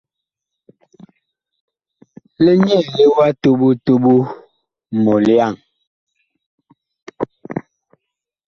Li nyɛɛle wa toɓo toɓo mɔlyaŋ!